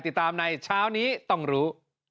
ติดตามในเช้านี้ต้องรู้